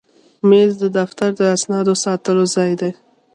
مېز د دفتر د اسنادو ساتلو ځای دی.